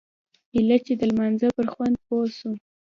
ايله چې د لمانځه پر خوند پوه سوم.